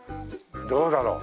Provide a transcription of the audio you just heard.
どうだろう？